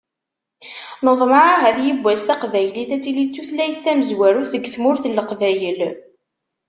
Neḍmeɛ ahat yiwwas, taqbaylit ad tili d tutlayt tamezwarut deg tmurt n Leqbayel.